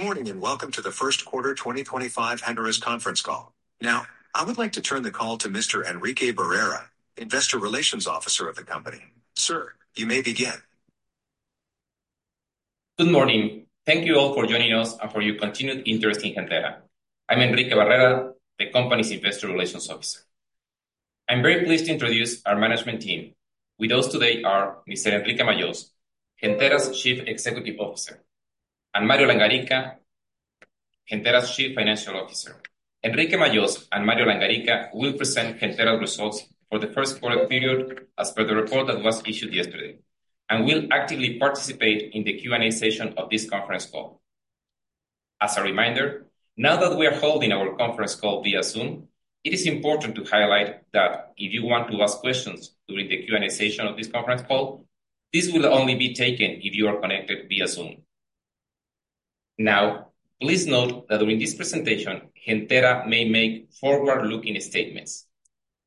Good morning and welcome to the First Quarter 2025 Gentera Conference Call. Now, I would like to turn the call to Mr. Enrique Barrera, Investor Relations Officer of the company. Sir, you may begin. Good morning. Thank you all for joining us and for your continued interest in Gentera. I'm Enrique Barrera, the company's Investor Relations Officer. I'm very pleased to introduce our management team. With us today are Mr. Enrique Majós, Gentera's Chief Executive Officer, and Mario Langarica, Gentera's Chief Financial Officer. Enrique Majós and Mario Langarica will present Gentera's results for the first quarter period as per the report that was issued yesterday, and will actively participate in the Q&A session of this conference call. As a reminder, now that we are holding our conference call via Zoom, it is important to highlight that if you want to ask questions during the Q&A session of this conference call, this will only be taken if you are connected via Zoom. Now, please note that during this presentation, Gentera may make forward-looking statements.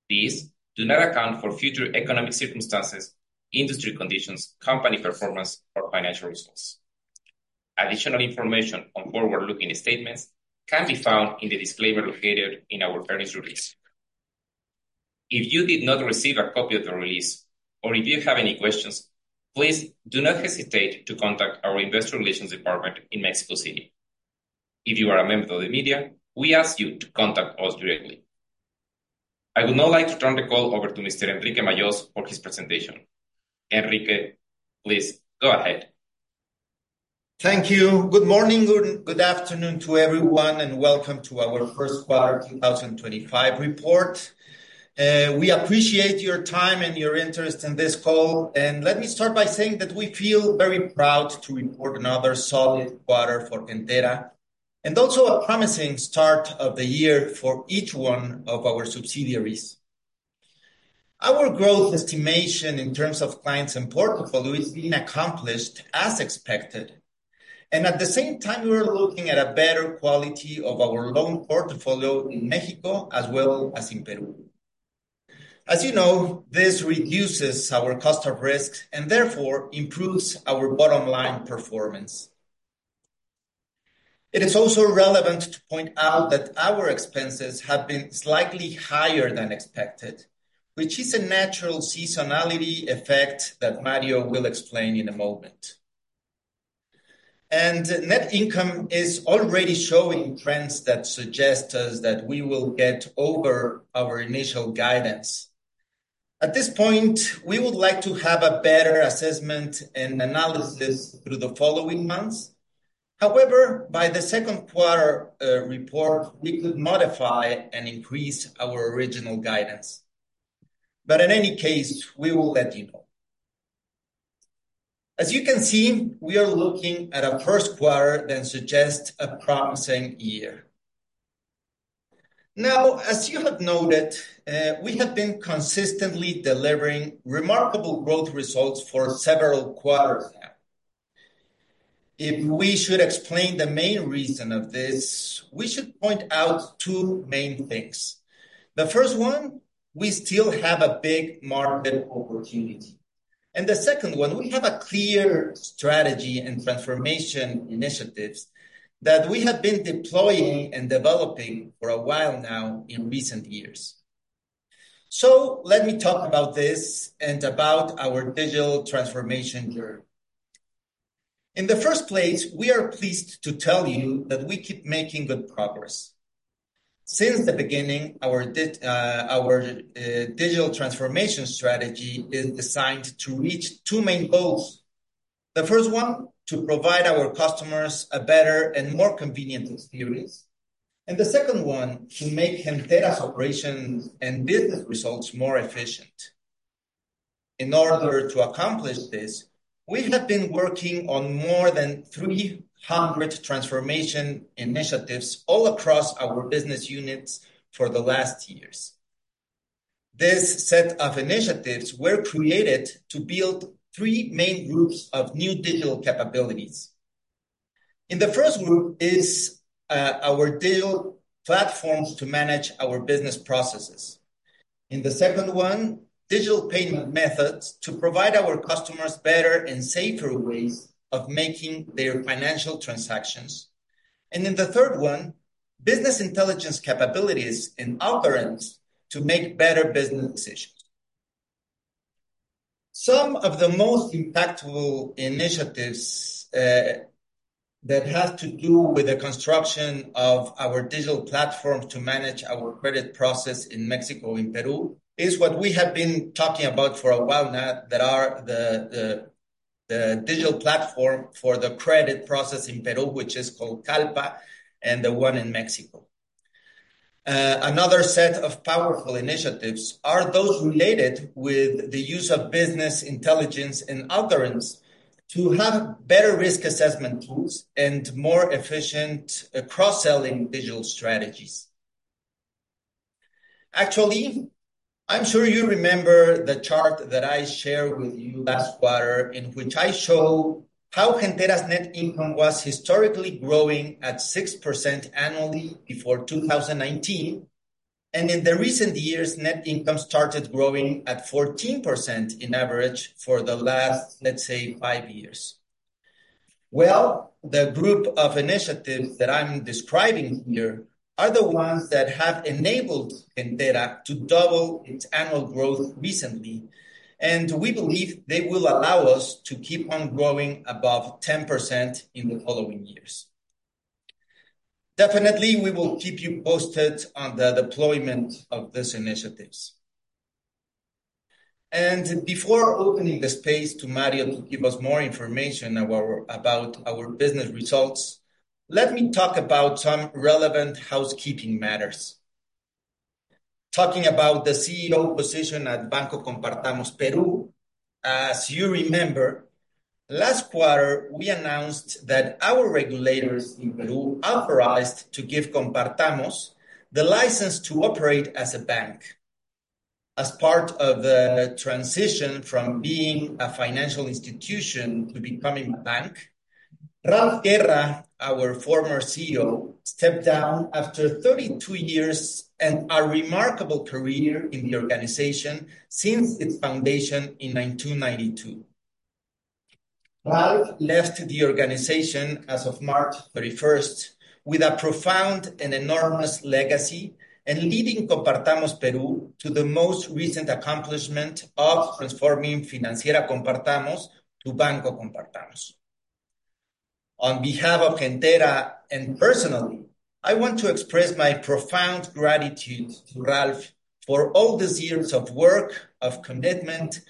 These do not account for future economic circumstances, industry conditions, company performance, or financial results. Additional information on forward-looking statements can be found in the disclaimer located in our earnings release. If you did not receive a copy of the release or if you have any questions, please do not hesitate to contact our Investor Relations Department in Mexico City. If you are a member of the media, we ask you to contact us directly. I would now like to turn the call over to Mr. Enrique Majós for his presentation. Enrique, please go ahead. Thank you. Good morning, good afternoon to everyone, and welcome to our first quarter 2025 report. We appreciate your time and your interest in this call. Let me start by saying that we feel very proud to report another solid quarter for Gentera and also a promising start of the year for each one of our subsidiaries. Our growth estimation in terms of clients and portfolio is being accomplished as expected. At the same time, we are looking at a better quality of our loan portfolio in Mexico as well as in Peru. As you know, this reduces our cost of risk and therefore improves our bottom line performance. It is also relevant to point out that our expenses have been slightly higher than expected, which is a natural seasonality effect that Mario will explain in a moment. Net income is already showing trends that suggest to us that we will get over our initial guidance. At this point, we would like to have a better assessment and analysis through the following months. However, by the second quarter report, we could modify and increase our original guidance. In any case, we will let you know. As you can see, we are looking at a first quarter that suggests a promising year. As you have noted, we have been consistently delivering remarkable growth results for several quarters now. If we should explain the main reason of this, we should point out two main things. The first one, we still have a big market opportunity. The second one, we have a clear strategy and transformation initiatives that we have been deploying and developing for a while now in recent years. Let me talk about this and about our digital transformation journey. In the first place, we are pleased to tell you that we keep making good progress. Since the beginning, our digital transformation strategy is designed to reach two main goals. The first one, to provide our customers a better and more convenient experience. The second one, to make Gentera's operations and business results more efficient. In order to accomplish this, we have been working on more than 300 transformation initiatives all across our business units for the last years. This set of initiatives was created to build three main groups of new digital capabilities. In the first group is our digital platforms to manage our business processes. In the second one, digital payment methods to provide our customers better and safer ways of making their financial transactions. In the third one, business intelligence capabilities and algorithms to make better business decisions. Some of the most impactful initiatives that have to do with the construction of our digital platforms to manage our credit process in Mexico and Peru is what we have been talking about for a while now, that are the digital platform for the credit process in Peru, which is called Calpa, and the one in Mexico. Another set of powerful initiatives are those related with the use of business intelligence and algorithms to have better risk assessment tools and more efficient cross-selling digital strategies. Actually, I'm sure you remember the chart that I shared with you last quarter, in which I show how Gentera's net income was historically growing at 6% annually before 2019. In the recent years, net income started growing at 14% in average for the last, let's say, five years. The group of initiatives that I'm describing here are the ones that have enabled Gentera to double its annual growth recently. We believe they will allow us to keep on growing above 10% in the following years. Definitely, we will keep you posted on the deployment of these initiatives. Before opening the space to Mario to give us more information about our business results, let me talk about some relevant housekeeping matters. Talking about the CEO position at Banco Compartamos Peru, as you remember, last quarter, we announced that our regulators in Peru authorized to give Compartamos the license to operate as a bank. As part of the transition from being a financial institution to becoming a bank, Ralph Guerra, our former CEO, stepped down after 32 years and a remarkable career in the organization since its foundation in 1992. Ralph left the organization as of March 31st with a profound and enormous legacy and leading Banco Compartamos Peru to the most recent accomplishment of transforming Financiera Compartamos to Banco Compartamos. On behalf of Gentera and personally, I want to express my profound gratitude to Ralph for all the years of work, of commitment,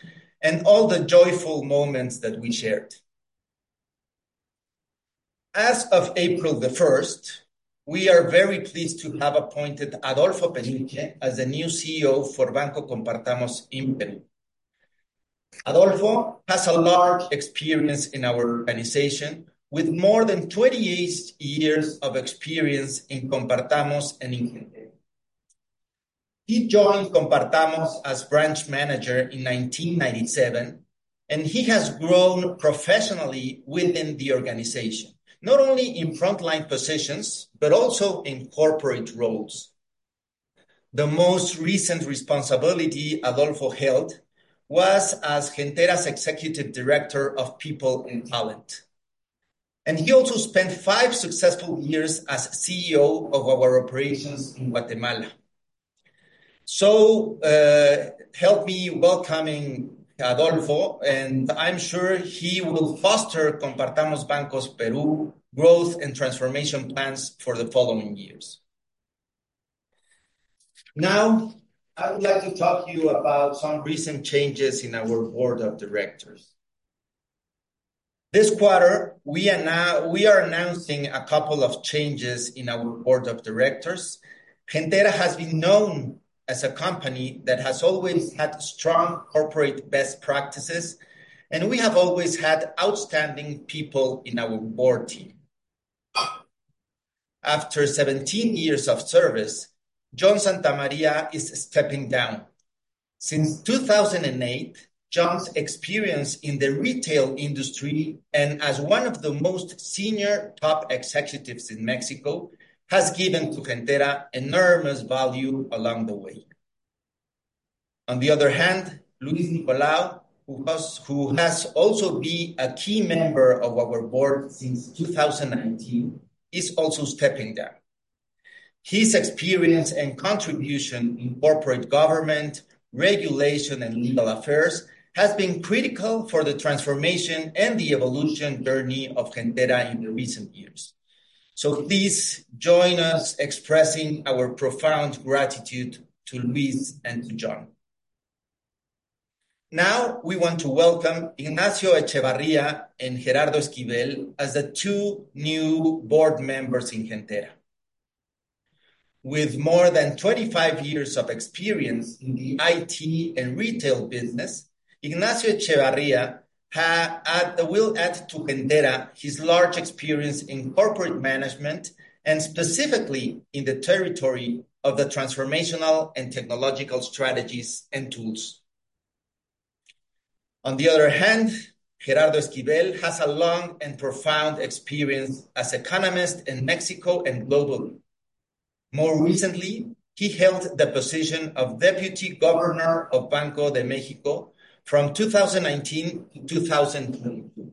and all the joyful moments that we shared. As of April 1st, we are very pleased to have appointed Adolfo Peniche as the new CEO for Banco Compartamos in Peru. Adolfo has a large experience in our organization with more than 28 years of experience in Compartamos and in Gentera. He joined Compartamos as branch manager in 1997, and he has grown professionally within the organization, not only in frontline positions, but also in corporate roles. The most recent responsibility Adolfo held was as Gentera's Executive Director of People and Talent. He also spent five successful years as CEO of our operations in Guatemala. Help me welcoming Adolfo, and I am sure he will foster Compartamos Banco Peru's growth and transformation plans for the following years. Now, I would like to talk to you about some recent changes in our board of directors. This quarter, we are announcing a couple of changes in our board of directors. Gentera has been known as a company that has always had strong corporate best practices, and we have always had outstanding people in our board team. After 17 years of service, John Santa María is stepping down. Since 2008, John's experience in the retail industry and as one of the most senior top executives in Mexico has given to Gentera enormous value along the way. On the other hand, Luis Nicolau, who has also been a key member of our board since 2019, is also stepping down. His experience and contribution in corporate governance, regulation, and legal affairs has been critical for the transformation and the evolution journey of Gentera in the recent years. Please join us in expressing our profound gratitude to Luis and to John. Now, we want to welcome Ignacio Echevarría and Gerardo Esquivel as the two new board members in Gentera. With more than 25 years of experience in the IT and retail business, Ignacio Echevarría will add to Gentera his large experience in corporate management and specifically in the territory of the transformational and technological strategies and tools. On the other hand, Gerardo Esquivel has a long and profound experience as an economist in Mexico and globally. More recently, he held the position of Deputy Governor of Banco de México from 2019 to 2022.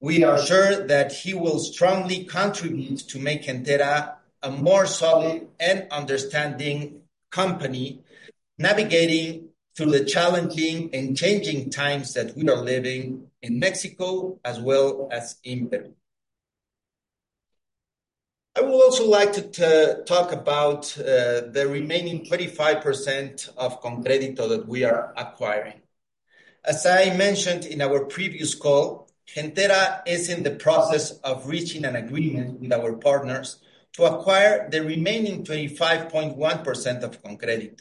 We are sure that he will strongly contribute to make Gentera a more solid and understanding company navigating through the challenging and changing times that we are living in Mexico as well as in Peru. I would also like to talk about the remaining 25% of ConCrédito that we are acquiring. As I mentioned in our previous call, Gentera is in the process of reaching an agreement with our partners to acquire the remaining 25.1% of ConCrédito.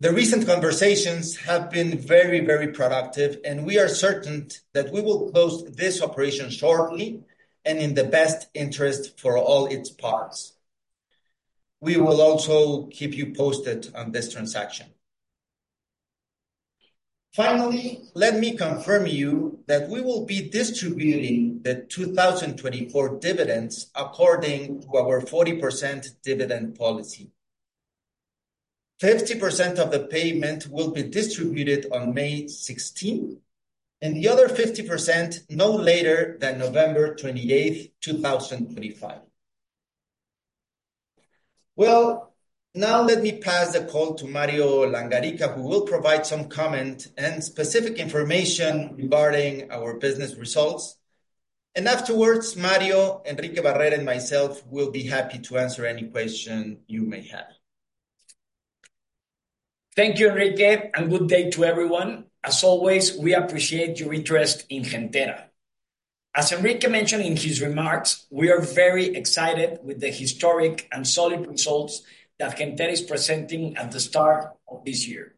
The recent conversations have been very, very productive, and we are certain that we will close this operation shortly and in the best interest for all its parts. We will also keep you posted on this transaction. Finally, let me confirm to you that we will be distributing the 2024 dividends according to our 40% dividend policy. 50% of the payment will be distributed on May 16th, and the other 50% no later than November 28th, 2025. Now let me pass the call to Mario Langarica, who will provide some comment and specific information regarding our business results. Afterwards, Mario, Enrique Barrera, and myself will be happy to answer any questions you may have. Thank you, Enrique, and good day to everyone. As always, we appreciate your interest in Gentera. As Enrique mentioned in his remarks, we are very excited with the historic and solid results that Gentera is presenting at the start of this year.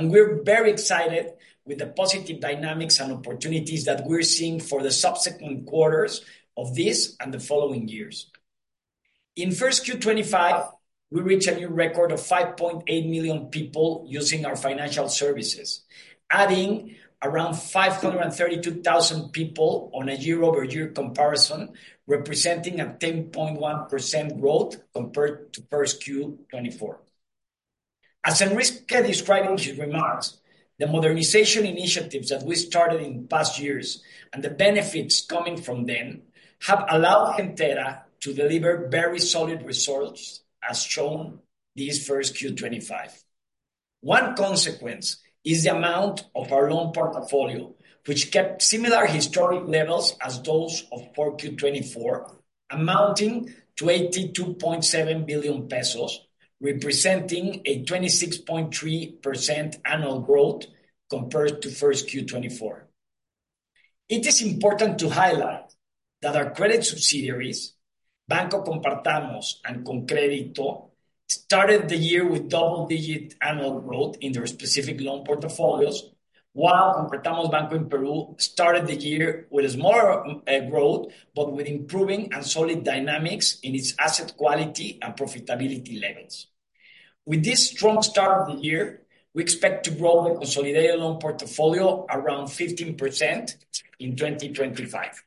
We are very excited with the positive dynamics and opportunities that we are seeing for the subsequent quarters of this and the following years. In first Q2025, we reached a new record of 5.8 million people using our financial services, adding around 532,000 people on a year-over-year comparison, representing a 10.1% growth compared to first Q2024. As Enrique described in his remarks, the modernization initiatives that we started in past years and the benefits coming from them have allowed Gentera to deliver very solid results as shown this first Q2025. One consequence is the amount of our loan portfolio, which kept similar historic levels as those of fourth Q2024, amounting to 82.7 billion pesos, representing a 26.3% annual growth compared to first Q2024. It is important to highlight that our credit subsidiaries, Banco Compartamos and ConCrédito, started the year with double-digit annual growth in their specific loan portfolios, while Banco Compartamos Peru started the year with a smaller growth, but with improving and solid dynamics in its asset quality and profitability levels. With this strong start of the year, we expect to grow the consolidated loan portfolio around 15% in 2025.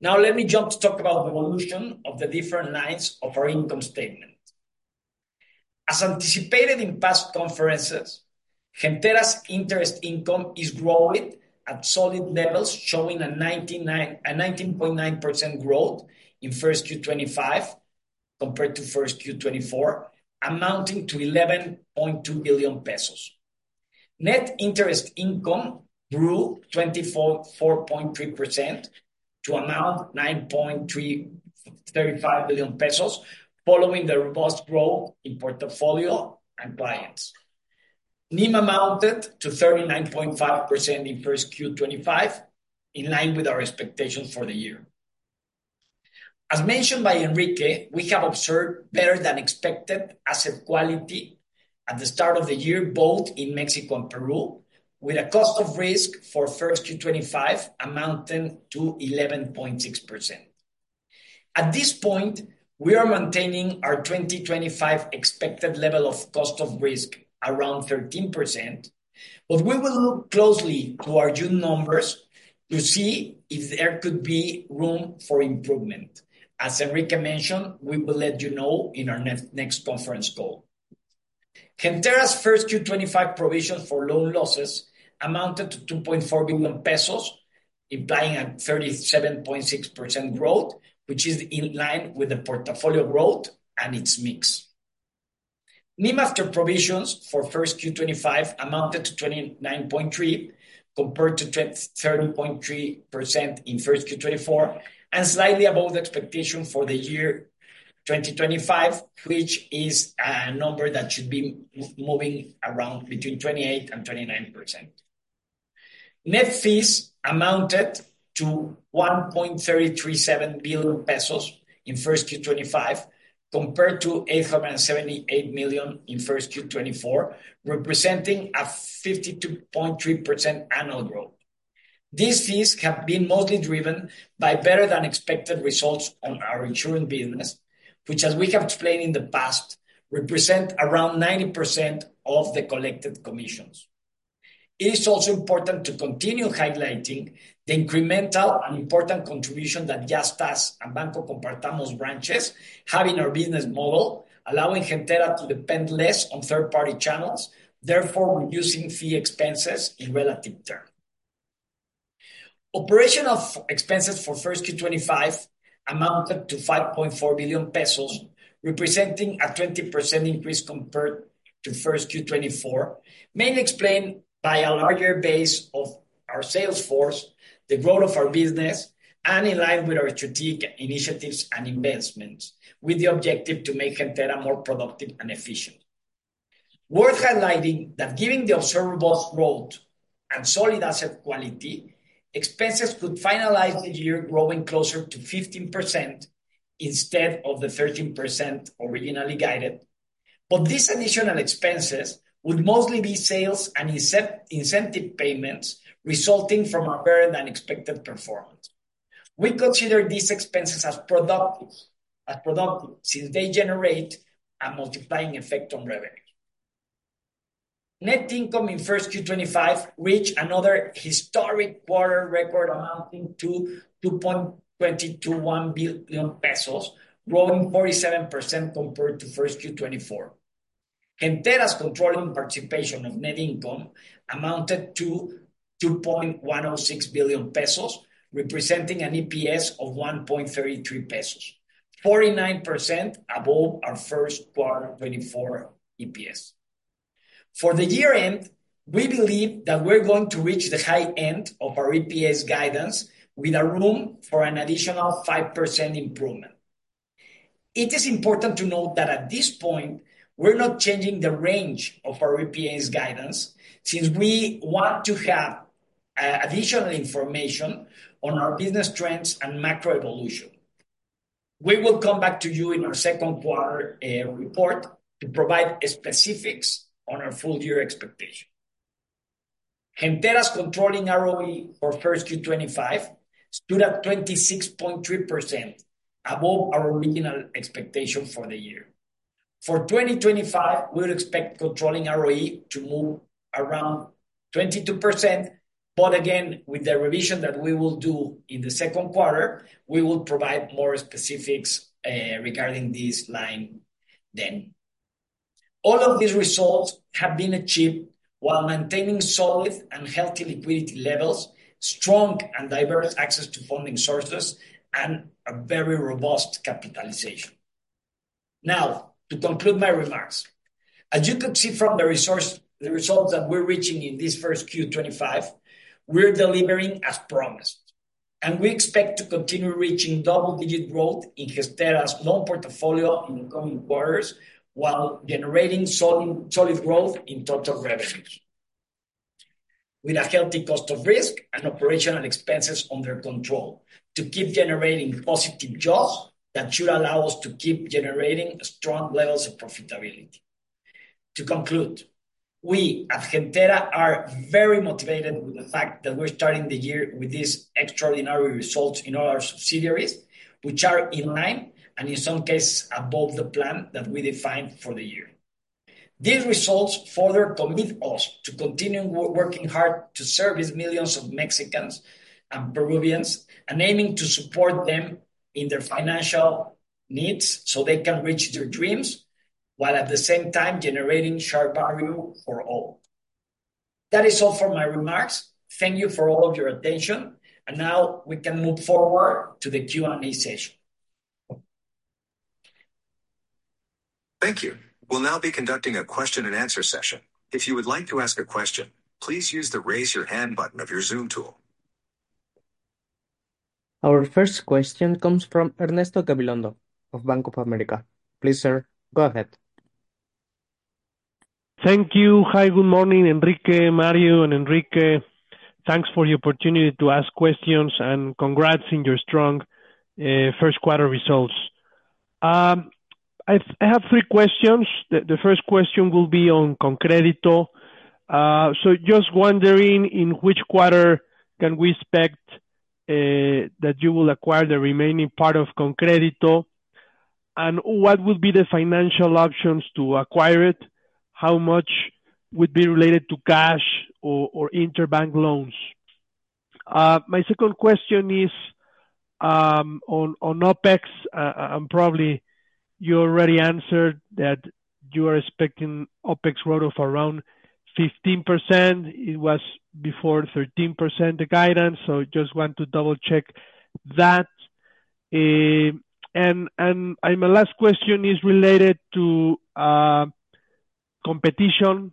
Now, let me jump to talk about the evolution of the different lines of our income statement. As anticipated in past conferences, Gentera's interest income is growing at solid levels, showing a 19.9% growth in first Q25 compared to first Q24, amounting to 11.2 billion pesos. Net interest income grew 24.3% to amount 9.35 billion pesos, following the robust growth in portfolio and clients. NIM amounted to 39.5% in first Q25, in line with our expectations for the year. As mentioned by Enrique, we have observed better-than-expected asset quality at the start of the year, both in Mexico and Peru, with a cost of risk for first Q25 amounting to 11.6%. At this point, we are maintaining our 2025 expected level of cost of risk around 13%, but we will look closely to our June numbers to see if there could be room for improvement. As Enrique mentioned, we will let you know in our next conference call. Gentera's first Q25 provisions for loan losses amounted to 2.4 billion pesos, implying a 37.6% growth, which is in line with the portfolio growth and its mix. NIM after provisions for first Q25 amounted to 29.3% compared to 30.3% in first Q24, and slightly above the expectation for the year 2025, which is a number that should be moving around between 28% and 29%. Net fees amounted to 1.337 billion pesos in first Q25 compared to 878 million in first Q24, representing a 52.3% annual growth. These fees have been mostly driven by better-than-expected results on our insurance business, which, as we have explained in the past, represent around 90% of the collected commissions. It is also important to continue highlighting the incremental and important contribution that Yastás and Banco Compartamos branches have in our business model, allowing Gentera to depend less on third-party channels, therefore reducing fee expenses in relative term. Operational expenses for first Q2025 amounted to 5.4 billion pesos, representing a 20% increase compared to first Q2024, mainly explained by a larger base of our sales force, the growth of our business, and in line with our strategic initiatives and investments, with the objective to make Gentera more productive and efficient. Worth highlighting that given the observable growth and solid asset quality, expenses could finalize the year growing closer to 15% instead of the 13% originally guided, but these additional expenses would mostly be sales and incentive payments resulting from our better-than-expected performance. We consider these expenses as productive since they generate a multiplying effect on revenue. Net income in first Q25 reached another historic quarter record amounting to 2.221 billion pesos, growing 47% compared to first Q24. Gentera's controlling participation of net income amounted to 2.106 billion pesos, representing an EPS of 1.33 pesos, 49% above our first quarter 2024 EPS. For the year-end, we believe that we're going to reach the high end of our EPS guidance with a room for an additional 5% improvement. It is important to note that at this point, we're not changing the range of our EPS guidance since we want to have additional information on our business trends and macro evolution. We will come back to you in our second quarter report to provide specifics on our full-year expectation. Gentera's controlling ROE for first Q1 2025 stood at 26.3%, above our original expectation for the year. For 2025, we would expect controlling ROE to move around 22%, but again, with the revision that we will do in the second quarter, we will provide more specifics regarding this line then. All of these results have been achieved while maintaining solid and healthy liquidity levels, strong and diverse access to funding sources, and a very robust capitalization. Now, to conclude my remarks, as you could see from the results that we're reaching in this first Q25, we're delivering as promised, and we expect to continue reaching double-digit growth in Gentera's loan portfolio in the coming quarters while generating solid growth in total revenues, with a healthy cost of risk and operational expenses under control to keep generating positive jobs that should allow us to keep generating strong levels of profitability. To conclude, we at Gentera are very motivated with the fact that we're starting the year with these extraordinary results in all our subsidiaries, which are in line and in some cases above the plan that we defined for the year. These results further commit us to continue working hard to serve millions of Mexicans and Peruvians, and aiming to support them in their financial needs so they can reach their dreams, while at the same time generating shared value for all. That is all for my remarks. Thank you for all of your attention, and now we can move forward to the Q&A session. Thank you. We'll now be conducting a question and answer session. If you would like to ask a question, please use the raise-your-hand button of your Zoom tool. Our first question comes from Ernesto Gabilondo of Bank of America. Please, sir, go ahead. Thank you. Hi, good morning, Enrique, Mario, and Enrique. Thanks for the opportunity to ask questions and congrats on your strong first quarter results. I have three questions. The first question will be on ConCrédito. Just wondering in which quarter can we expect that you will acquire the remaining part of ConCrédito? What would be the financial options to acquire it? How much would be related to cash or interbank loans? My second question is on OpEx, and probably you already answered that you are expecting OpEx growth of around 15%. It was before 13% the guidance, so I just want to double-check that. My last question is related to competition.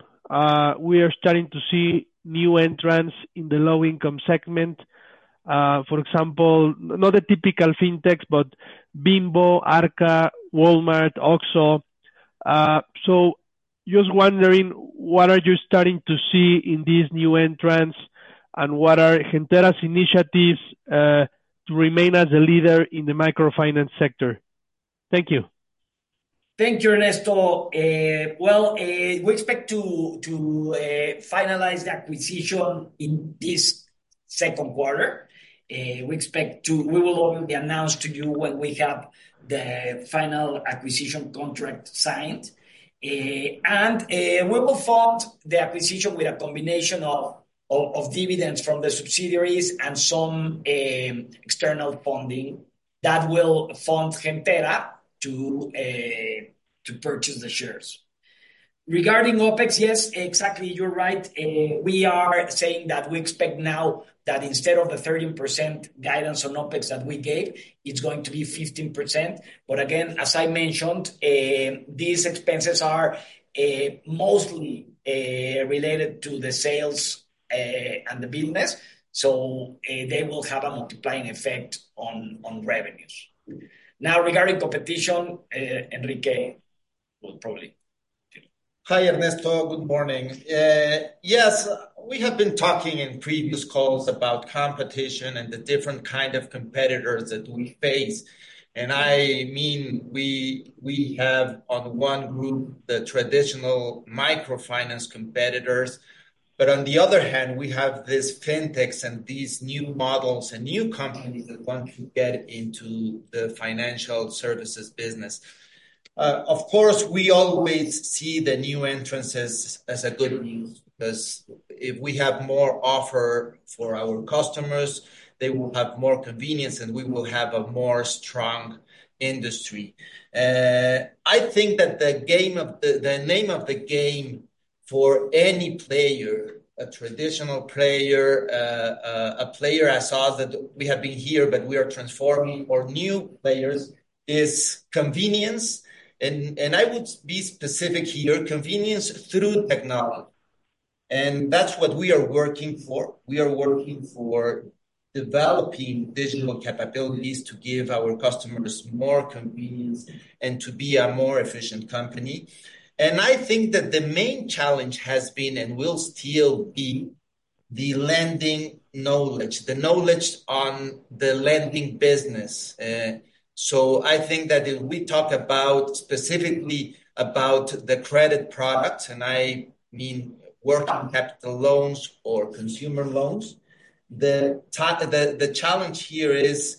We are starting to see new entrants in the low-income segment. For example, not the typical fintechs, but Bimbo, Arca, Walmart, OXXO. Just wondering, what are you starting to see in these new entrants? What are Gentera's initiatives to remain as a leader in the microfinance sector? Thank you. Thank you, Ernesto. We expect to finalize the acquisition in this second quarter. We will only announce to you when we have the final acquisition contract signed. We will fund the acquisition with a combination of dividends from the subsidiaries and some external funding that will fund Gentera to purchase the shares. Regarding OpEx, yes, exactly, you're right. We are saying that we expect now that instead of the 13% guidance on OpEx that we gave, it's going to be 15%. Again, as I mentioned, these expenses are mostly related to the sales and the business, so they will have a multiplying effect on revenues. Now, regarding competition, Enrique, we'll probably. Hi, Ernesto, good morning. Yes, we have been talking in previous calls about competition and the different kinds of competitors that we face. I mean, we have on one group the traditional microfinance competitors, but on the other hand, we have these fintechs and these new models and new companies that want to get into the financial services business. Of course, we always see the new entrants as good news because if we have more offer for our customers, they will have more convenience, and we will have a more strong industry. I think that the name of the game for any player, a traditional player, a player as us that we have been here, but we are transforming or new players, is convenience. I would be specific here, convenience through technology. That is what we are working for. We are working for developing digital capabilities to give our customers more convenience and to be a more efficient company. I think that the main challenge has been and will still be the lending knowledge, the knowledge on the lending business. I think that if we talk specifically about the credit products, and I mean working capital loans or consumer loans, the challenge here is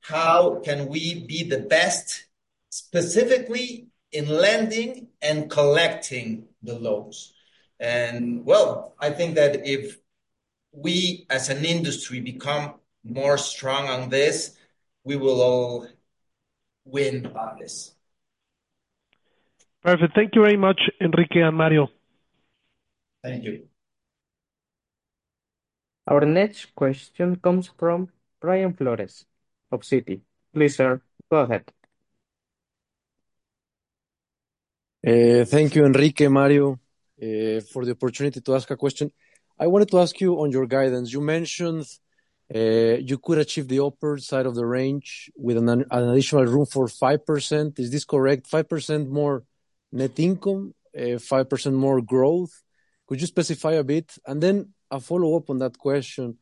how can we be the best specifically in lending and collecting the loans. I think that if we as an industry become more strong on this, we will all win on this. Perfect. Thank you very much, Enrique and Mario. Thank you. Our next question comes from Brian Flores of Citi. Please, sir, go ahead. Thank you, Enrique, Mario, for the opportunity to ask a question. I wanted to ask you on your guidance. You mentioned you could achieve the upper side of the range with an additional room for 5%. Is this correct? 5% more net income, 5% more growth. Could you specify a bit? A follow-up on that question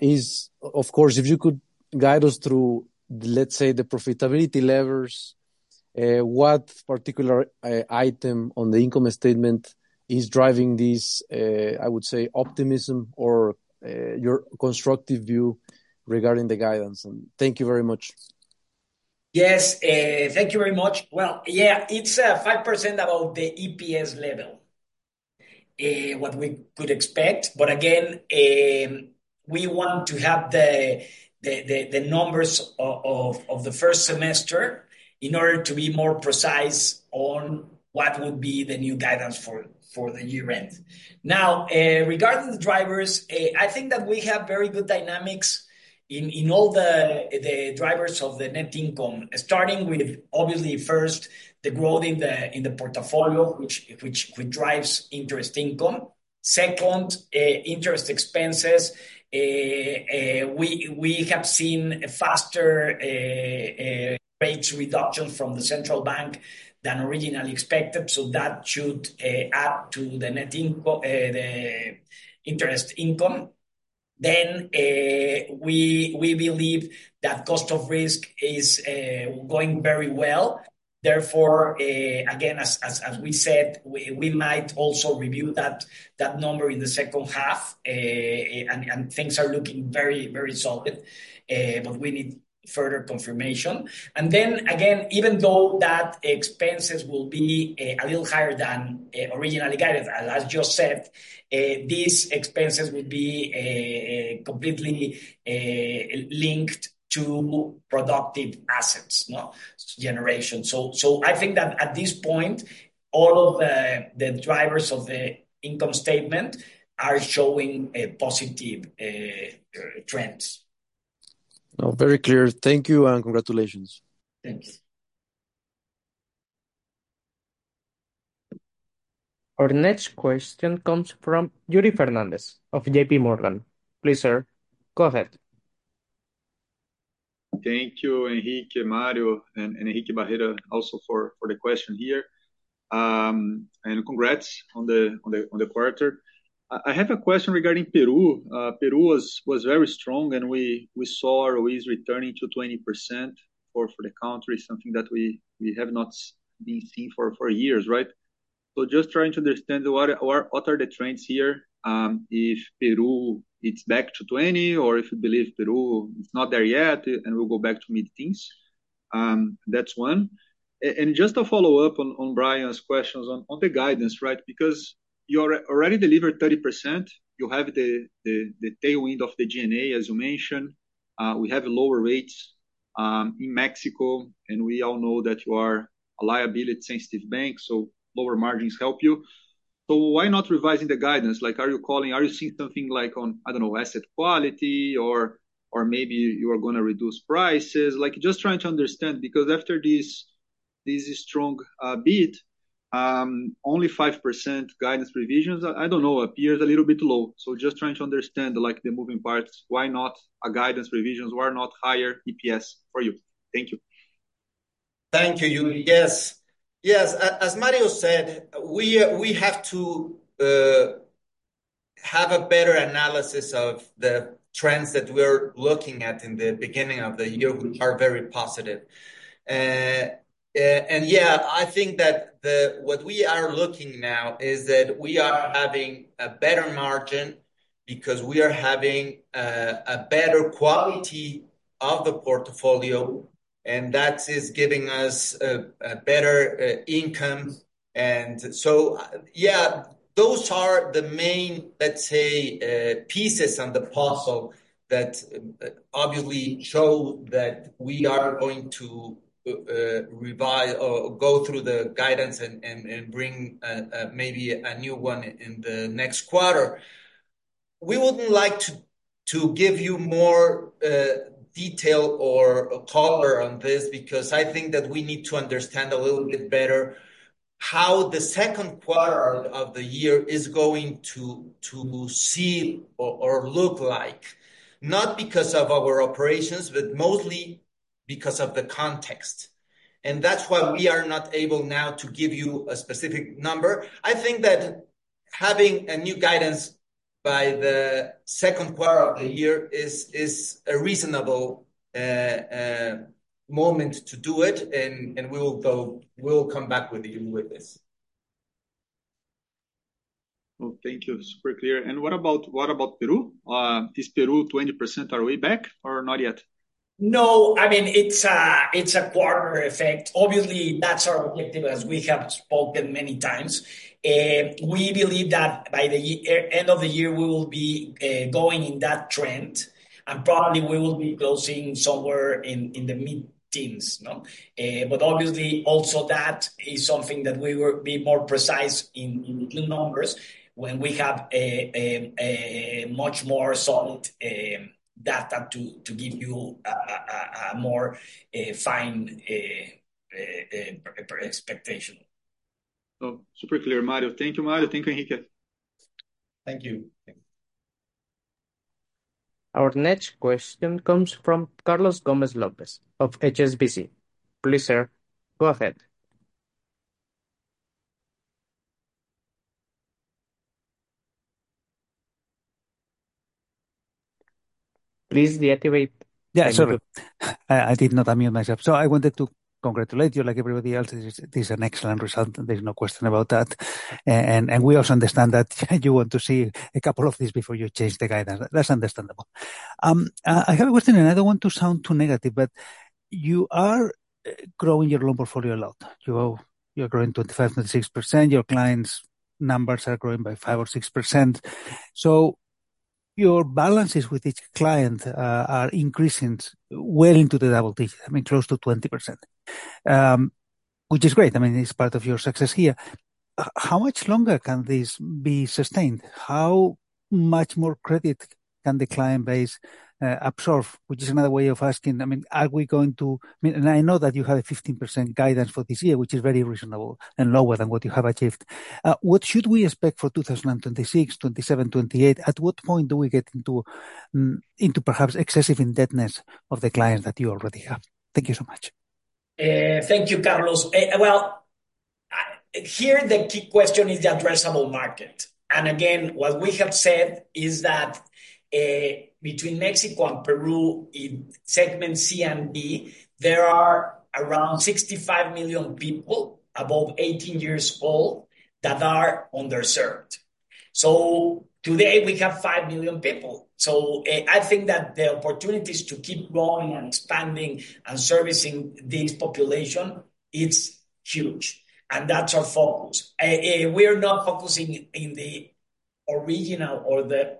is, of course, if you could guide us through, let's say, the profitability levers, what particular item on the income statement is driving this, I would say, optimism or your constructive view regarding the guidance? Thank you very much. Yes, thank you very much. Yeah, it's 5% about the EPS level, what we could expect. Again, we want to have the numbers of the first semester in order to be more precise on what would be the new guidance for the year-end. Now, regarding the drivers, I think that we have very good dynamics in all the drivers of the net income, starting with, obviously, first, the growth in the portfolio, which drives interest income. Second, interest expenses. We have seen faster rates reduction from the central bank than originally expected, so that should add to the interest income. We believe that cost of risk is going very well. Therefore, again, as we said, we might also review that number in the second half, and things are looking very, very solid, but we need further confirmation. Even though that expenses will be a little higher than originally guided, as just said, these expenses would be completely linked to productive assets generation. I think that at this point, all of the drivers of the income statement are showing positive trends. Very clear. Thank you and congratulations. Thank you. Our next question comes from Yuri Fernandes of JPMorgan. Please, sir, go ahead. Thank you, Enrique, Mario, and Enrique Barrera, also for the question here. Congrats on the quarter. I have a question regarding Peru. Peru was very strong, and we saw ROEs returning to 20% for the country, something that we have not been seeing for years, right? Just trying to understand what are the trends here, if Peru is back to 20, or if we believe Peru is not there yet, and we will go back to mid-teens. That is one. Just to follow up on Brian's questions on the guidance, right? Because you already delivered 30%, you have the tailwind of the GNA, as you mentioned. We have lower rates in Mexico, and we all know that you are a liability-sensitive bank, so lower margins help you. Why not revising the guidance? Are you calling? Are you seeing something like on, I don't know, asset quality, or maybe you are going to reduce prices? Just trying to understand because after this strong bid, only 5% guidance provisions, I don't know, appears a little bit low. Just trying to understand the moving parts, why not a guidance provisions? Why not higher EPS for you? Thank you. Thank you, Yuri. Yes. Yes. As Mario said, we have to have a better analysis of the trends that we are looking at in the beginning of the year, which are very positive. Yeah, I think that what we are looking now is that we are having a better margin because we are having a better quality of the portfolio, and that is giving us a better income. Yeah, those are the main, let's say, pieces on the puzzle that obviously show that we are going to revise or go through the guidance and bring maybe a new one in the next quarter. We would not like to give you more detail or color on this because I think that we need to understand a little bit better how the second quarter of the year is going to see or look like, not because of our operations, but mostly because of the context. That is why we are not able now to give you a specific number. I think that having a new guidance by the second quarter of the year is a reasonable moment to do it, and we will come back with you with this. Thank you. It's super clear. What about Peru? Is Peru 20% our way back or not yet? No, I mean, it's a quarter effect. Obviously, that's our objective as we have spoken many times. We believe that by the end of the year, we will be going in that trend, and probably we will be closing somewhere in the mid-teens. Obviously, also that is something that we will be more precise in the numbers when we have much more solid data to give you a more fine expectation. Super clear, Mario. Thank you, Mario. Thank you, Enrique. Thank you. Our next question comes from Carlos Gomez-Lopez of HSBC. Please, sir, go ahead. Please deactivate. Yeah, sorry. I did not unmute myself. I wanted to congratulate you like everybody else. This is an excellent result. There is no question about that. We also understand that you want to see a couple of these before you change the guidance. That is understandable. I have a question, and I do not want to sound too negative, but you are growing your loan portfolio a lot. You are growing 25%-26%. Your clients' numbers are growing by 5% or 6%. Your balances with each client are increasing well into the double digits, I mean, close to 20%, which is great. I mean, it is part of your success here. How much longer can this be sustained? How much more credit can the client base absorb? Which is another way of asking, I mean, are we going to—I mean, and I know that you had a 15% guidance for this year, which is very reasonable and lower than what you have achieved. What should we expect for 2026, 2027, 2028? At what point do we get into perhaps excessive indebtedness of the clients that you already have? Thank you so much. Thank you, Carlos. Here, the key question is the addressable market. Again, what we have said is that between Mexico and Peru, in segment C and B, there are around 65 million people above 18 years old that are underserved. Today, we have 5 million people. I think that the opportunities to keep growing and expanding and servicing this population, it's huge. That's our focus. We are not focusing in the original or the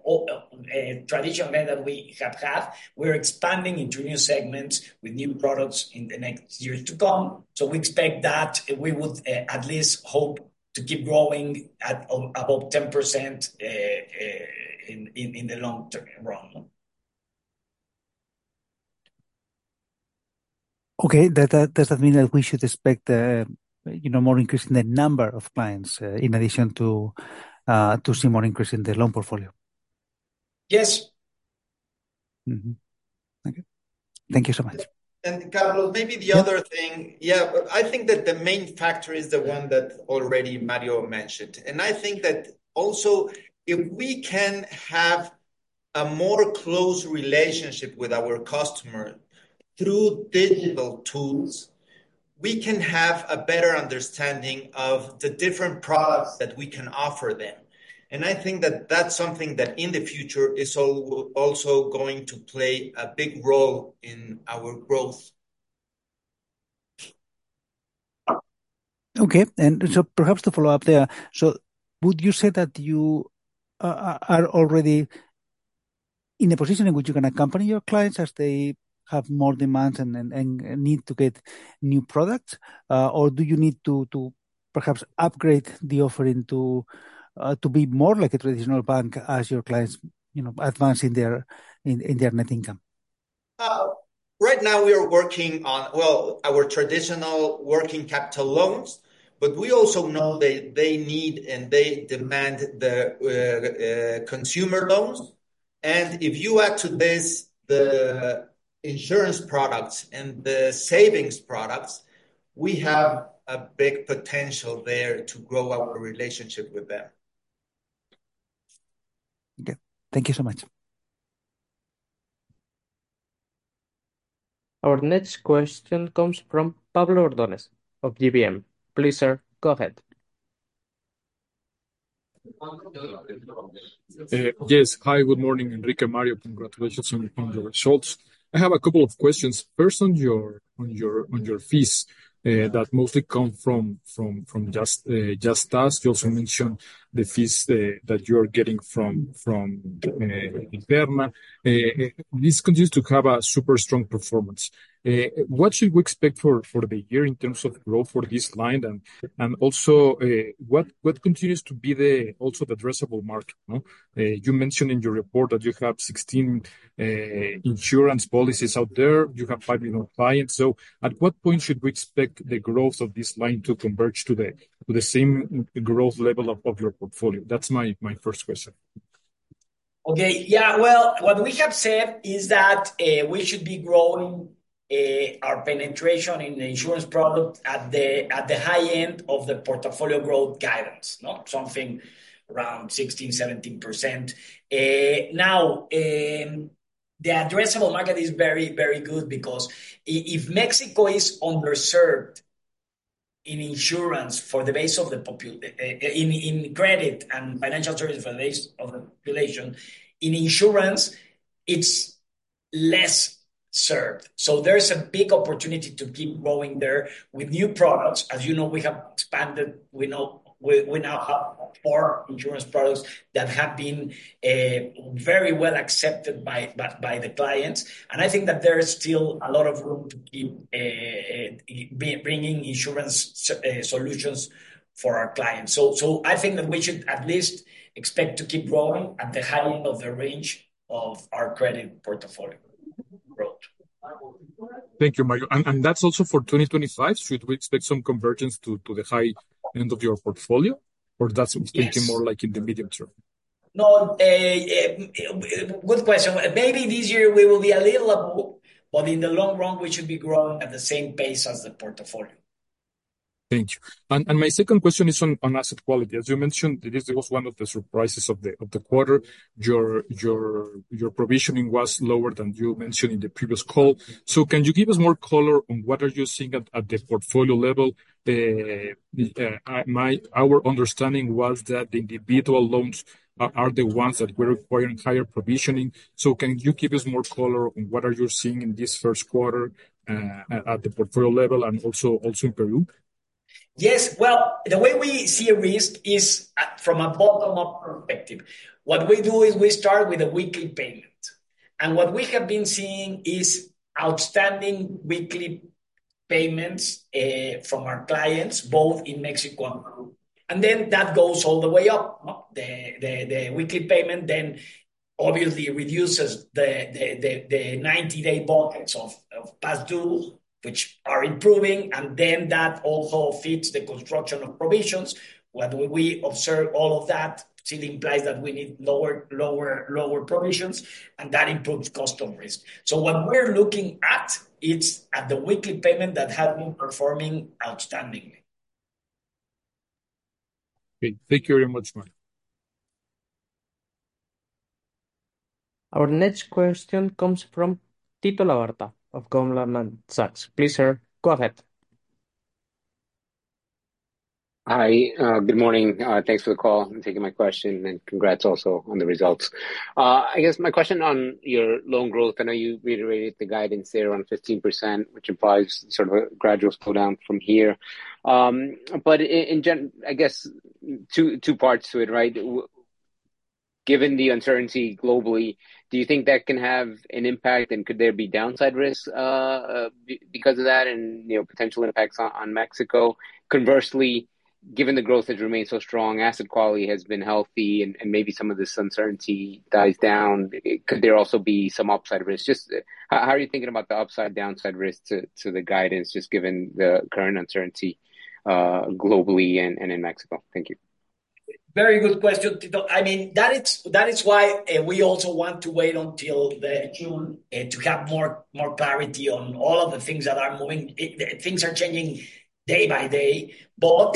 traditional way that we have had. We are expanding into new segments with new products in the next years to come. We expect that we would at least hope to keep growing above 10% in the long run. Okay. Does that mean that we should expect more increase in the number of clients in addition to see more increase in the loan portfolio? Yes. Thank you. Thank you so much. Carlos, maybe the other thing, yeah, I think that the main factor is the one that already Mario mentioned. I think that also if we can have a more close relationship with our customers through digital tools, we can have a better understanding of the different products that we can offer them. I think that that's something that in the future is also going to play a big role in our growth. Okay. Perhaps to follow up there, would you say that you are already in a position in which you can accompany your clients as they have more demands and need to get new products? Or do you need to perhaps upgrade the offering to be more like a traditional bank as your clients advance in their net income? Right now, we are working on, well, our traditional working capital loans, but we also know that they need and they demand the consumer loans. If you add to this the insurance products and the savings products, we have a big potential there to grow our relationship with them. Okay. Thank you so much. Our next question comes from Pablo Ordoñez of GBM. Please, sir, go ahead. Yes. Hi, good morning, Enrique, Mario. Congratulations on your shorts. I have a couple of questions. First, on your fees that mostly come from Yastás, you also mentioned the fees that you are getting from Aterna. This continues to have a super strong performance. What should we expect for the year in terms of growth for this client? Also, what continues to be the addressable market? You mentioned in your report that you have 16 insurance policies out there. You have 5 million clients. At what point should we expect the growth of this line to converge to the same growth level of your portfolio? That's my first question. Okay. Yeah. What we have said is that we should be growing our penetration in the insurance product at the high end of the portfolio growth guidance, something around 16%-17%. Now, the addressable market is very, very good because if Mexico is underserved in insurance for the base of the credit and financial services for the base of the population, in insurance, it's less served. There is a big opportunity to keep growing there with new products. As you know, we have expanded. We now have four insurance products that have been very well accepted by the clients. I think that there is still a lot of room to keep bringing insurance solutions for our clients. I think that we should at least expect to keep growing at the high end of the range of our credit portfolio growth. Thank you, Mario. That is also for 2025? Should we expect some convergence to the high end of your portfolio? Or is that thinking more like in the medium term? No. Good question. Maybe this year, we will be a little above, but in the long run, we should be growing at the same pace as the portfolio. Thank you. My second question is on asset quality. As you mentioned, this was one of the surprises of the quarter. Your provisioning was lower than you mentioned in the previous call. Can you give us more color on what are you seeing at the portfolio level? Our understanding was that the individual loans are the ones that were requiring higher provisioning. Can you give us more color on what are you seeing in this first quarter at the portfolio level and also in Peru? Yes. The way we see a risk is from a bottom-up perspective. What we do is we start with a weekly payment. What we have been seeing is outstanding weekly payments from our clients, both in Mexico and Peru. That goes all the way up. The weekly payment obviously reduces the 90-day bonds of past dues, which are improving. That also feeds the construction of provisions. When we observe all of that, it implies that we need lower provisions, and that improves cost of risk. What we are looking at is the weekly payment that has been performing outstandingly. Okay. Thank you very much, Mario. Our next question comes from Tito Labarta of Goldman Sachs. Please, sir, go ahead. Hi. Good morning. Thanks for the call and taking my question. Congrats also on the results. I guess my question on your loan growth, I know you reiterated the guidance there on 15%, which implies sort of a gradual slowdown from here. In general, I guess two parts to it, right? Given the uncertainty globally, do you think that can have an impact? Could there be downside risks because of that and potential impacts on Mexico? Conversely, given the growth has remained so strong, asset quality has been healthy, and maybe some of this uncertainty dies down, could there also be some upside risk? Just how are you thinking about the upside downside risk to the guidance, just given the current uncertainty globally and in Mexico? Thank you. Very good question. I mean, that is why we also want to wait until June to have more clarity on all of the things that are moving. Things are changing day by day. What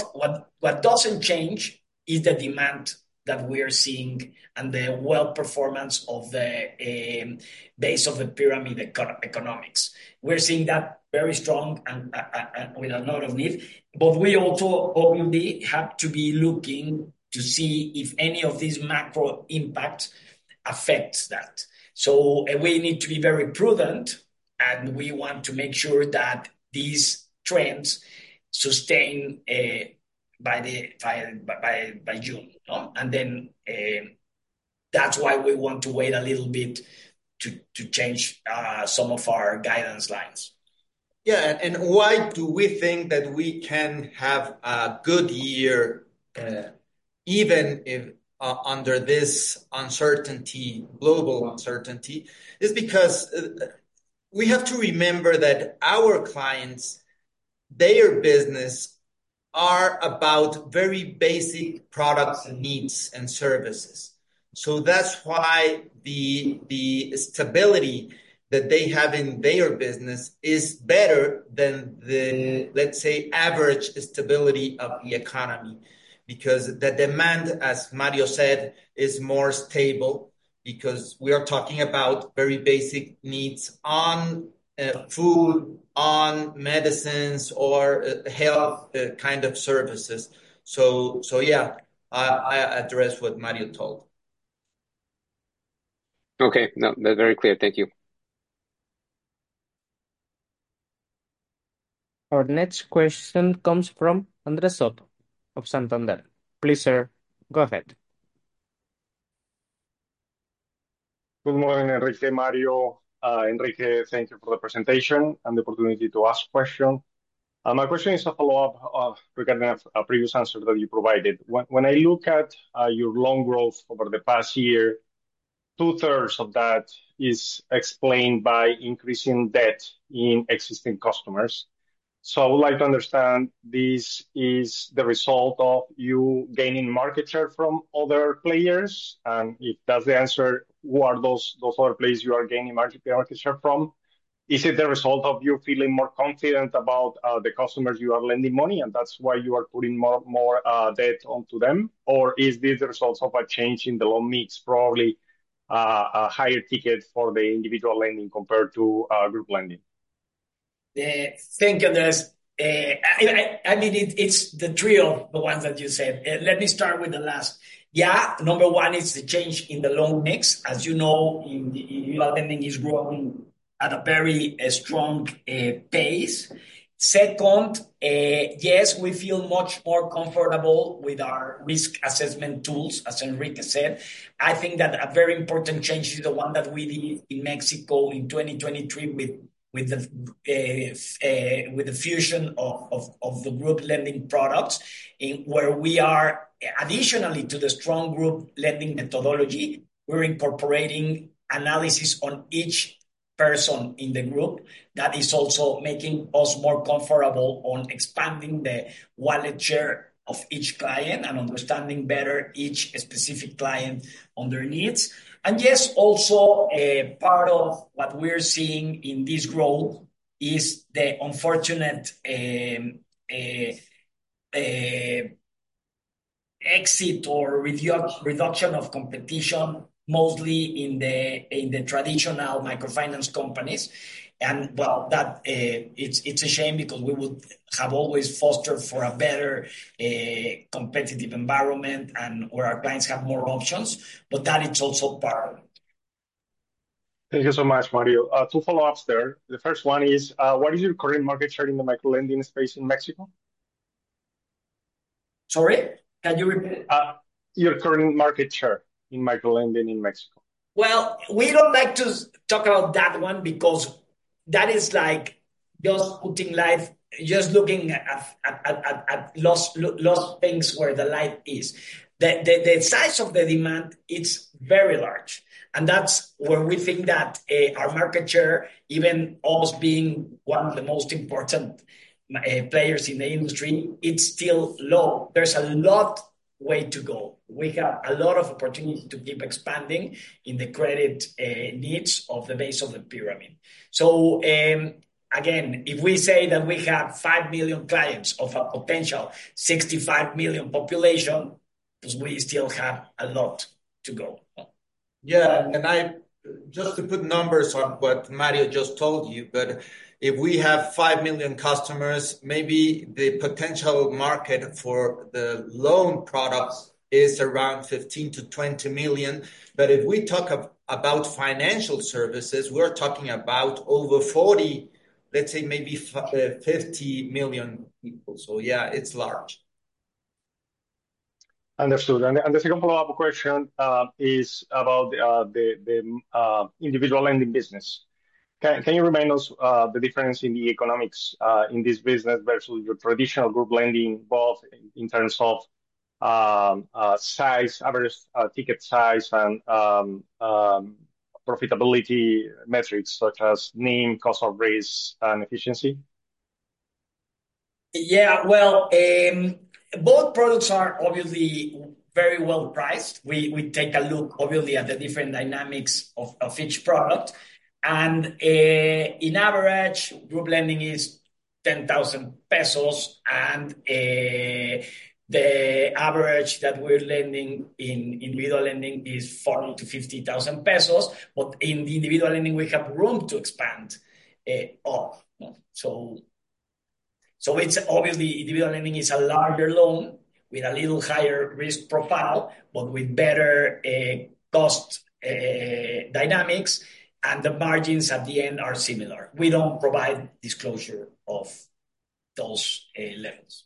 does not change is the demand that we are seeing and the well-performance of the base of the pyramid economics. We are seeing that very strong and with a lot of need. We also obviously have to be looking to see if any of these macro impacts affect that. We need to be very prudent, and we want to make sure that these trends sustain by June. That is why we want to wait a little bit to change some of our guidance lines. Yeah. Why do we think that we can have a good year even under this global uncertainty? It's because we have to remember that our clients, their business, are about very basic products and needs and services. That's why the stability that they have in their business is better than, let's say, average stability of the economy because the demand, as Mario said, is more stable because we are talking about very basic needs on food, on medicines, or health kind of services. Yeah, I address what Mario told. Okay. No, that's very clear. Thank you. Our next question comes from Andrés Soto of Santander. Please, sir, go ahead. Good morning, Enrique, Mario. Enrique, thank you for the presentation and the opportunity to ask a question. My question is a follow-up regarding a previous answer that you provided. When I look at your loan growth over the past year, two-thirds of that is explained by increasing debt in existing customers. I would like to understand, is this the result of you gaining market share from other players? If that's the answer, who are those other players you are gaining market share from? Is it the result of you feeling more confident about the customers you are lending money to, and that's why you are putting more debt onto them? Is this the result of a change in the loan mix, probably a higher ticket for the individual lending compared to group lending? Thank you, Andrés. I mean, it's the trio of the ones that you said. Let me start with the last. Yeah. Number one is the change in the loan mix. As you know, individual lending is growing at a very strong pace. Second, yes, we feel much more comfortable with our risk assessment tools, as Enrique said. I think that a very important change is the one that we did in Mexico in 2023 with the fusion of the group lending products, where we are, additionally to the strong group lending methodology, we're incorporating analysis on each person in the group. That is also making us more comfortable on expanding the wallet share of each client and understanding better each specific client on their needs. Yes, also part of what we're seeing in this growth is the unfortunate exit or reduction of competition, mostly in the traditional microfinance companies. It is a shame because we would have always fostered for a better competitive environment where our clients have more options, but that is also part of it. Thank you so much, Mario. Two follow-ups there. The first one is, what is your current market share in the microlending space in Mexico? Sorry? Can you repeat? Your current market share in microlending in Mexico? We do not like to talk about that one because that is like just putting life, just looking at lost things where the life is. The size of the demand, it is very large. That is where we think that our market share, even us being one of the most important players in the industry, is still low. There is a lot of way to go. We have a lot of opportunity to keep expanding in the credit needs of the base of the pyramid. If we say that we have 5 million clients of a potential 65 million population, we still have a lot to go. Yeah. Just to put numbers on what Mario just told you, if we have 5 million customers, maybe the potential market for the loan products is around 15-20 million. If we talk about financial services, we're talking about over 40, let's say maybe 50 million people. Yeah, it's large. Understood. The second follow-up question is about the individual lending business. Can you remind us of the difference in the economics in this business versus your traditional group lending, both in terms of size, average ticket size, and profitability metrics such as NIM, cost of risk, and efficiency? Yeah. Both products are obviously very well priced. We take a look, obviously, at the different dynamics of each product. In average, group lending is 10,000 pesos, and the average that we're lending in individual lending is 40,000-50,000 pesos. In the individual lending, we have room to expand up. Obviously, individual lending is a larger loan with a little higher risk profile, but with better cost dynamics, and the margins at the end are similar. We do not provide disclosure of those levels.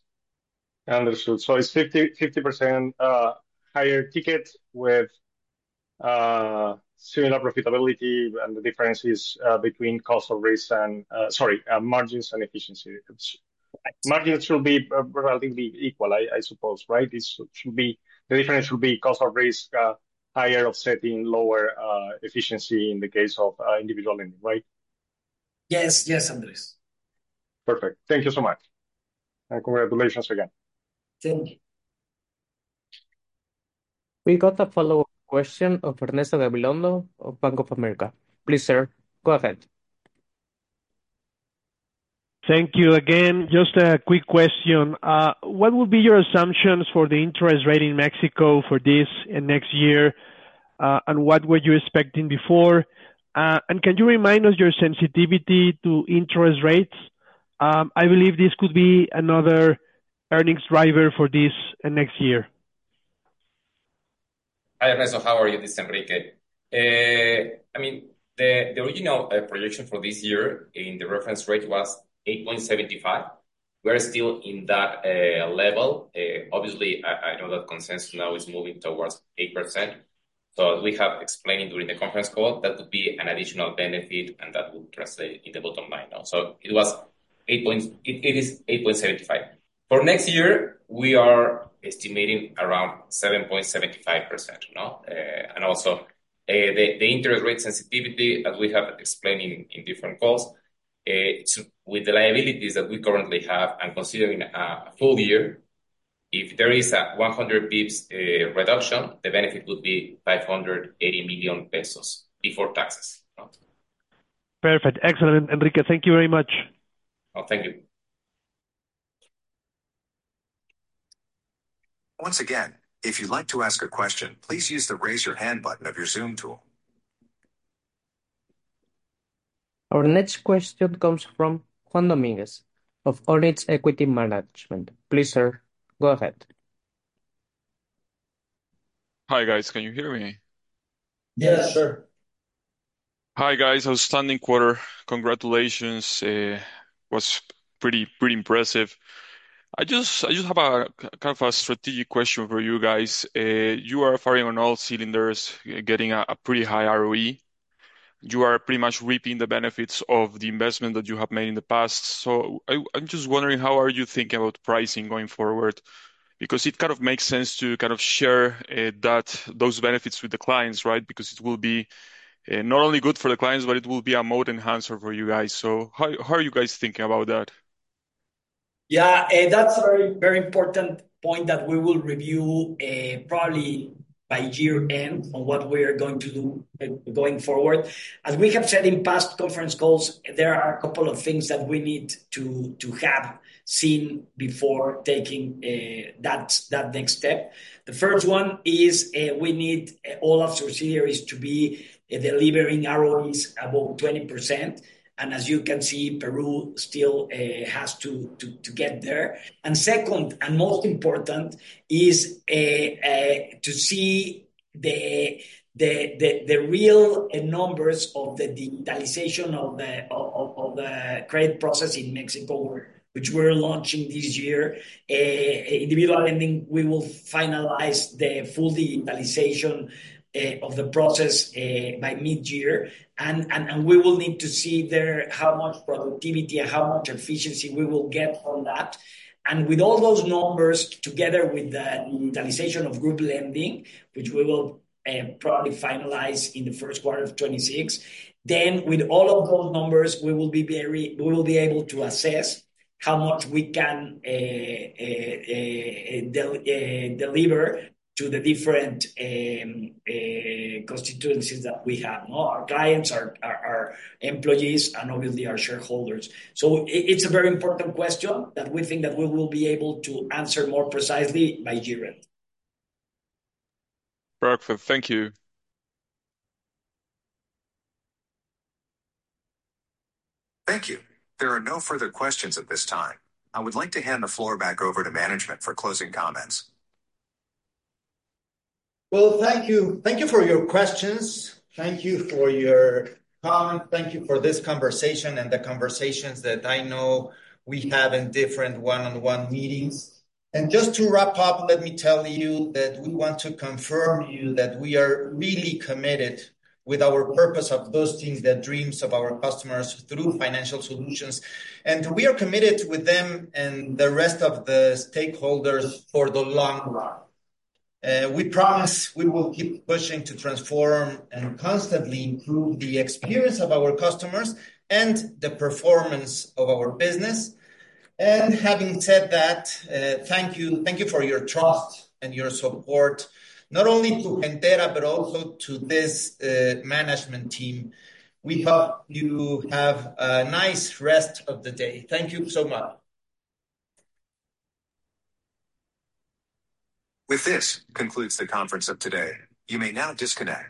Understood. It is 50% higher ticket with similar profitability, and the difference is between cost of risk and, sorry, margins and efficiency. Margins should be relatively equal, I suppose, right? The difference should be cost of risk higher offsetting lower efficiency in the case of individual lending, right? Yes. Yes, Andrés. Perfect. Thank you so much. Congratulations again. Thank you. We got a follow-up question of Ernesto Gabilondo of Bank of America. Please, sir, go ahead. Thank you again. Just a quick question. What would be your assumptions for the interest rate in Mexico for this and next year, and what were you expecting before? Can you remind us your sensitivity to interest rates? I believe this could be another earnings driver for this and next year. Hi, Ernesto. How are you? This is Enrique. I mean, the original projection for this year in the reference rate was 8.75%. We are still in that level. Obviously, I know that consensus now is moving towards 8%. We have explained during the conference call that would be an additional benefit, and that would translate in the bottom line. It is 8.75%. For next year, we are estimating around 7.75%. Also, the interest rate sensitivity, as we have explained in different calls, with the liabilities that we currently have and considering a full year, if there is a 100 basis points reduction, the benefit would be 580 million pesos before taxes. Perfect. Excellent. Enrique, thank you very much. Thank you. Once again, if you'd like to ask a question, please use the raise your hand button of your Zoom tool. Our next question comes from Juan Domínguez of [Ornitz Equity Management.] Please, sir, go ahead. Hi, guys. Can you hear me? Yes, sir. Hi, guys. Outstanding quarter. Congratulations. It was pretty impressive. I just have a kind of a strategic question for you guys. You are firing on all cylinders, getting a pretty high ROE. You are pretty much reaping the benefits of the investment that you have made in the past. I am just wondering, how are you thinking about pricing going forward? Because it kind of makes sense to kind of share those benefits with the clients, right? It will be not only good for the clients, but it will be a moat enhancer for you guys. How are you guys thinking about that? Yeah. That's a very, very important point that we will review probably by year-end on what we are going to do going forward. As we have said in past conference calls, there are a couple of things that we need to have seen before taking that next step. The first one is we need all of subsidiaries to be delivering ROEs above 20%. As you can see, Peru still has to get there. Second, and most important is to see the real numbers of the digitalization of the credit process in Mexico, which we're launching this year. Individual lending, we will finalize the full digitalization of the process by mid-year. We will need to see there how much productivity and how much efficiency we will get on that. With all those numbers together with the digitalization of group lending, which we will probably finalize in the first quarter of 2026, then with all of those numbers, we will be able to assess how much we can deliver to the different constituencies that we have: our clients, our employees, and obviously our shareholders. It is a very important question that we think that we will be able to answer more precisely by year-end. Perfect. Thank you. Thank you. There are no further questions at this time. I would like to hand the floor back over to management for closing comments. Thank you for your questions. Thank you for your comments. Thank you for this conversation and the conversations that I know we have in different one-on-one meetings. Just to wrap up, let me tell you that we want to confirm to you that we are really committed with our purpose of boosting the dreams of our customers through financial solutions. We are committed with them and the rest of the stakeholders for the long run. We promise we will keep pushing to transform and constantly improve the experience of our customers and the performance of our business. Having said that, thank you for your trust and your support, not only to Gentera, but also to this management team. We hope you have a nice rest of the day. Thank you so much. With this, concludes the conference of today. You may now disconnect.